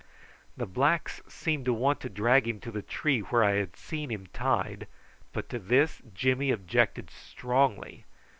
The blacks seemed to want to drag him to the tree where I had seen him tied, but to this Jimmy objected strongly.